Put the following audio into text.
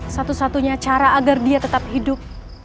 satu satunya cara agar dia tetap hidup